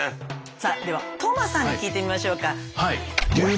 さあでは當間さんに聞いてみましょうか。